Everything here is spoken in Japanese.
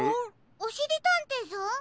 おしりたんていさん？